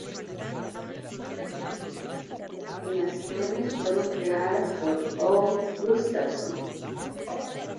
Las animaciones fueron creadas por Owe Gustafson.